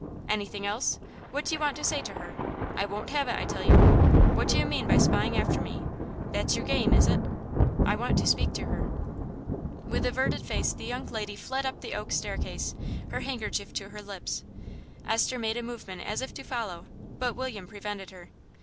"Anything else? What do you want to say to her? I won't have it, I tell you.... What do you mean by spying after me? That's your game, is it?" "I want to speak to her." With averted face the young lady fled up the oak staircase, her handkerchief to her lips. Esther made a movement as if to follow, but William prevented her.